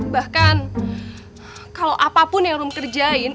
bahkan kalau apapun yang rum kerjain